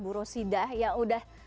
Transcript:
buru sidah yang udah